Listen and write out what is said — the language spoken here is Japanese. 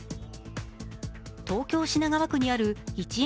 東京・品川区にある１円